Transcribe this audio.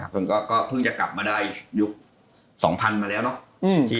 ผมก็เพิ่งจะกลับมาได้ยุค๒๐๐๐มาแล้วเนาะ